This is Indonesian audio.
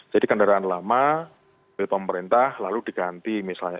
jadi kendaraan lama beli pemerintah lalu diganti misalnya